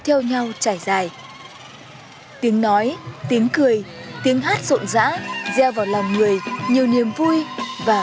theo nhau trải dài tiếng nói tiếng cười tiếng hát rộn rã gieo vào lòng người nhiều niềm vui và